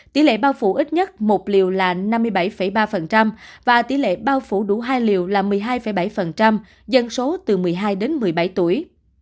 tỷ lệ bao phủ ít nhất một liều là năm mươi bảy ba và tỷ lệ bao phủ đủ hai liều là một mươi hai bảy dân số từ một mươi hai đến một mươi bảy tuổi